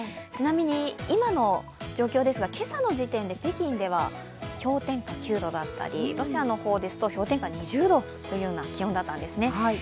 ちなみに今の状況ですが、今朝の時点で北京では氷点下９度だったり、ロシアの方ですと氷点下２０度という気温だったんですね。